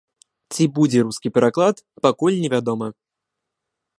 Ці будзе рускі пераклад, пакуль невядома.